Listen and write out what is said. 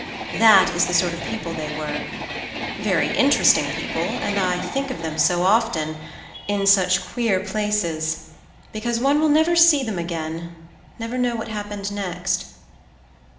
That is the sort of people they were—very interesting people, and I think of them so often, in such queer places, because one will never see them again, never know what happened next.